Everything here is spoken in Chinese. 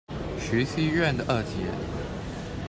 徐熙媛的二姐。